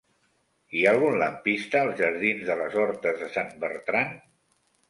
Hi ha algun lampista als jardins de les Hortes de Sant Bertran?